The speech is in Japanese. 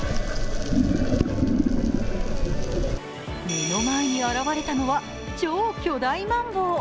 目の前に現れたのは、超巨大マンボウ。